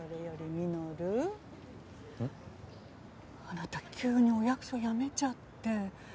あなた急にお役所辞めちゃって。